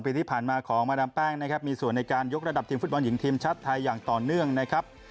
ปีที่ผ่านมาของมาดามแป้งนะครับมีส่วนในการยกระดับทีมฟุตบอลหญิงทีมชาติไทยอย่างต่อเนื่องนะครับ